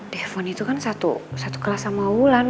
devon itu kan satu kelas sama ulan